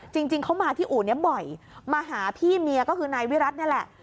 จริงเขามาที่อู่นี้บ่อยมาหาพี่เมียก็คือนายวิรัตินี่แหละ